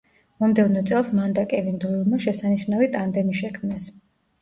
მომდევნო წელს მან და კევინ დოილმა შესანიშნავი ტანდემი შექმნეს.